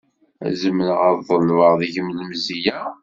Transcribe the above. Zemreɣ ad ḍelbeɣ deg-m lemzeyya?